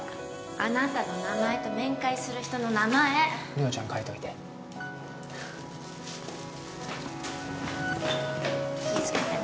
あなたの名前と面会する人の名前梨央ちゃん書いといて気いつけてな